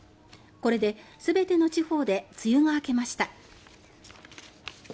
これで全ての地方で梅雨が明けました。